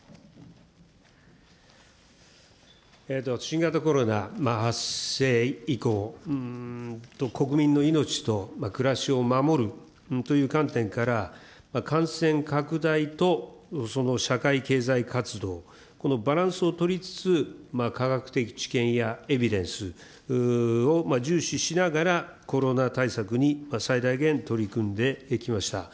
新型コロナ発生以降、国民の命と暮らしを守るという観点から、感染拡大とその社会経済活動、このバランスをとりつつ、科学的知見やエビデンスを重視しながら、コロナ対策に最大限取り組んできました。